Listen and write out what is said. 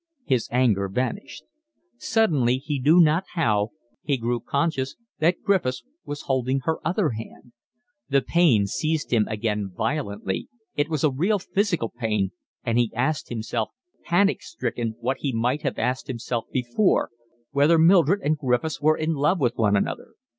His anger vanished. Suddenly, he knew not how, he grew conscious that Griffiths was holding her other hand. The pain seized him again violently, it was a real physical pain, and he asked himself, panic stricken, what he might have asked himself before, whether Mildred and Griffiths were in love with one another.